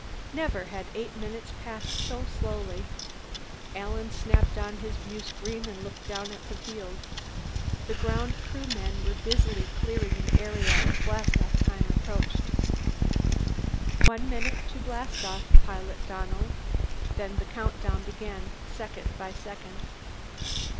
Never had eight minutes passed so slowly. Alan snapped on his viewscreen and looked down at the field; the ground crew men were busily clearing the area as blastoff time approached. "One minute to blastoff, Pilot Donnell." Then the count down began, second by second.